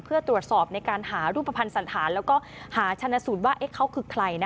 เพื่อตรวจสอบในการหารูปภัณฑ์สันธารแล้วก็หาชนะสูตรว่าเขาคือใคร